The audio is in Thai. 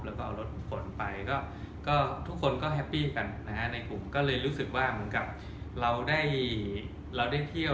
แล้วลดผลไปทุกคนก็แฮปปี้กันนะครับในกลุ่มก็เลยรู้สึกว่าเหมือนกับเราได้เที่ยว